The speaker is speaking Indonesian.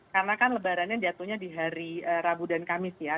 karena kan lebarannya jatuhnya di hari rabu dan kamis ya